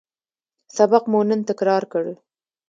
سبق مو نن تکرار کړ